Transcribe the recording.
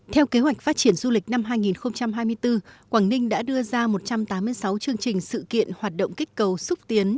theo kế hoạch phát triển du lịch năm hai nghìn hai mươi bốn quảng ninh đã đưa ra một trăm tám mươi sáu chương trình sự kiện hoạt động kích cầu xúc tiến